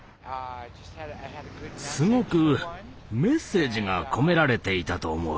すごくメッセージが込められていたと思う。